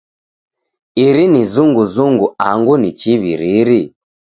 Iri ni zunguzungu angu ni chichiw'iri?